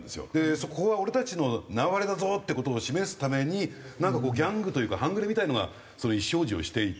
そこは俺たちの縄張りだぞって事を示すためになんかこうギャングというか半グレみたいなのが意思表示をしていて。